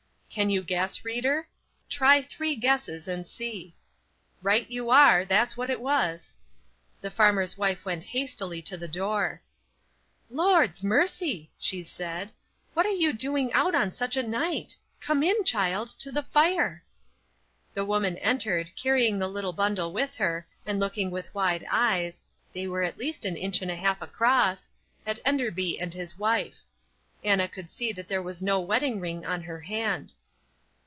Can you guess, reader? Try three guesses and see. Right you are. That's what it was. The farmer's wife went hastily to the door. "Lord's mercy!" she cried, "what are you doing out on such a night? Come in, child, to the fire!" The woman entered, carrying the little bundle with her, and looking with wide eyes (they were at least an inch and a half across) at Enderby and his wife. Anna could see that there was no wedding ring on her hand.